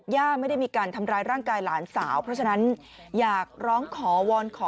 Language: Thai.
ย่าไม่ได้มีการทำร้ายร่างกายหลานสาวเพราะฉะนั้นอยากร้องขอวอนขอ